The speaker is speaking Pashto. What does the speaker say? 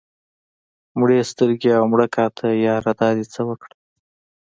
مړې سترګې او مړه کاته ياره دا دې څه اوکړه